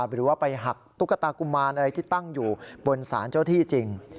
หรือว่าไปหักตุ๊กตากุมารอะไรที่ตั้งอยู่บนสารเจ้าที่จริง